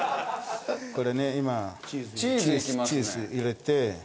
これね今チーズ入れて。